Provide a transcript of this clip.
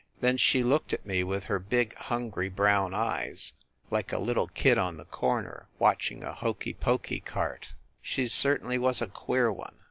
Then she looked at me with her big, hungry, brown eyes, like a little kid on the corner watching a hokey pokey cart. She certainly was a queer one.